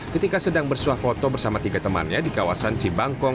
ketika sedang bersuah foto bersama tiga temannya di kawasan cibangkong